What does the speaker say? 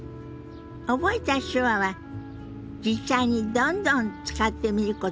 覚えた手話は実際にどんどん使ってみることが上達への近道よ。